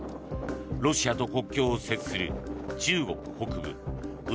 ロシアと国境を接する中国北部・内